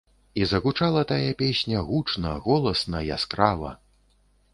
І загучала тая песня гучна, голасна, яскрава.